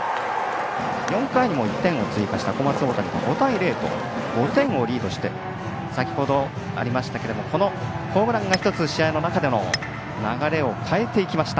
４回にも１点を追加した小松大谷、５対０と５点をリードして先ほどありましたがこのホームランが１つ試合の中での流れを変えていきました。